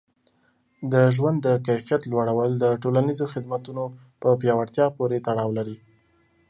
د ژوند د کیفیت لوړول د ټولنیزو خدمتونو په پیاوړتیا پورې تړاو لري.